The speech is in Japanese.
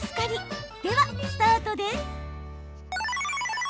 ではスタートです。